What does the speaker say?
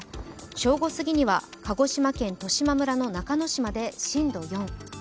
正午すぎには鹿児島県十島村の中之島で震度４。